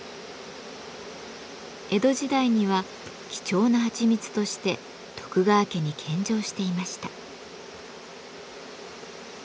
江戸時代には貴重なはちみつとして徳川家に献上していました。